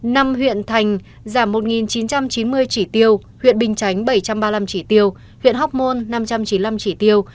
năm huyện thành giảm một chín trăm chín mươi chỉ tiêu huyện bình chánh bảy trăm ba mươi năm chỉ tiêu huyện hóc môn năm trăm chín mươi năm chỉ tiêu